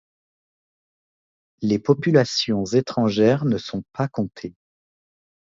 Les populations étrangères ne sont pas comptées.